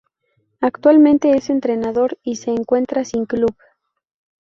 Actualmente es entrenador y se encuentra sin club.